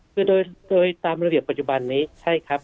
คือโดยตามระเบียบปัจจุบันนี้ใช่ครับ